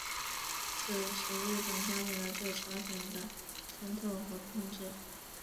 此时日本加紧了对朝鲜的渗透和控制。